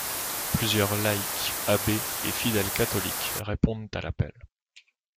Plusieurs laïcs, abbés et fidèles catholiques répondent à l'appel.